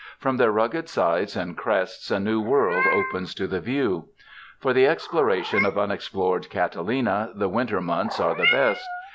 From their rugged sides and crests a new world opens to the view. For the exploration of unexplored Catalina, the winter months are the best.